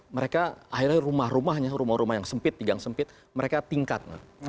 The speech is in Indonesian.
mereka akhirnya rumah rumahnya rumah rumah yang sempit di gang sempit mereka tingkat